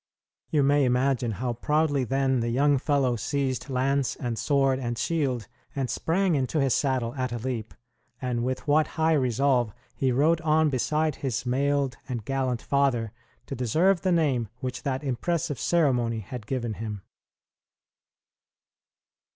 You may imagine how proudly then the young fellow seized lance and sword and shield, and sprang into his saddle at a leap, and with what high resolve he rode on beside his mailed and gallant father to deserve the name which that impressive ceremony had given him.